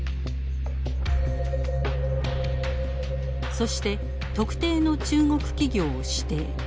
そして特定の中国企業を指定。